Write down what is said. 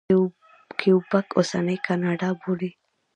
کیوبک اوسنۍ کاناډا بولي.